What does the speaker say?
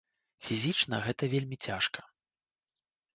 Фізічна гэта вельмі цяжка.